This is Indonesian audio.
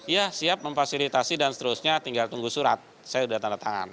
ya siap memfasilitasi dan seterusnya tinggal tunggu surat saya sudah tanda tangan